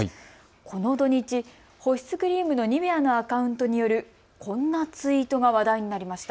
この土日、保湿クリームのニベアのアカウントによるこんなツイートが話題になりました。